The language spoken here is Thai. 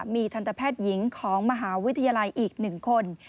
มีทันตแพทย์หญิงของมหาวิทยาลัยอีก๑คน